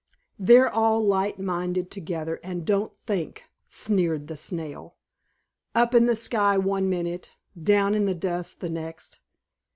"They're all light minded together, and don't think," sneered the Snail. "Up in the sky one minute, down in the dust the next.